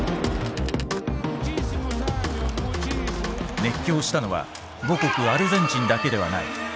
熱狂したのは母国アルゼンチンだけではない。